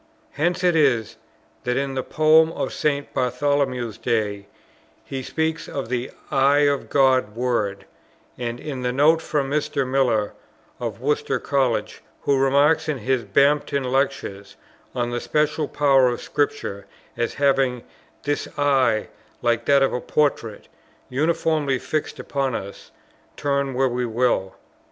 Hence it is, that in his Poem for St. Bartholomew's Day, he speaks of the "Eye of God's word;" and in the note quotes Mr. Miller, of Worcester College, who remarks in his Bampton Lectures, on the special power of Scripture, as having "this Eye, like that of a portrait, uniformly fixed upon us, turn where we will."